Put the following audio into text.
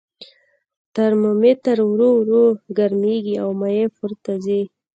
ترمامتر ورو ورو ګرمیږي او مایع پورته ځي.